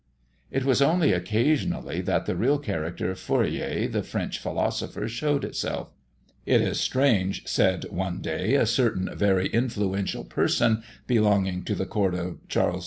It was only occasionally that the real character of Fourier, the French philosopher, showed itself. "It is strange," said, one day, a certain very influential person belonging to the court of Charles X.